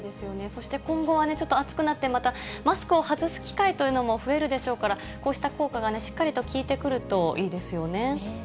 そして今後はちょっと暑くなって、またマスクを外す機会というのも増えるでしょうから、こうした効果がしっかりと効いてくるといいですよね。